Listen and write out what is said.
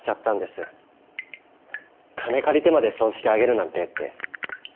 金借りてまで葬式挙げるなんてって。